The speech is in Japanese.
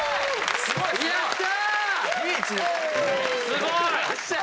すごい！